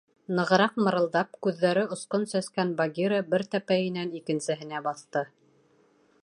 — Нығыраҡ мырылдап, күҙҙәре осҡон сәскән Багира бер тәпәйенән икенсеһе-нә баҫты.